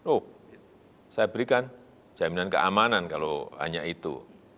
oh saya berikan jaminan keamanan kalau hanya itu